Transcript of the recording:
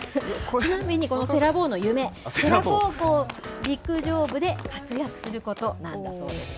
ちなみにこのせら坊の夢、世羅高校陸上部で活躍することなんだそうですよ。